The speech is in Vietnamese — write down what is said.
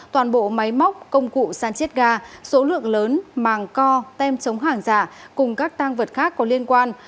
toàn bộ máy móc công cụ san chiết ga số lượng lớn màng co tem chống hàng giả cùng các tăng vật khác có liên quan